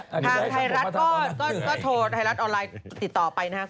ทางไทยรัฐก็โทรไทยรัฐออนไลน์ติดต่อไปนะครับ